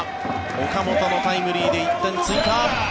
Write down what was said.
岡本のタイムリーで１点追加。